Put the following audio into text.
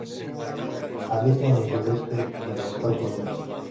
Habita en el sureste de los Estados Unidos.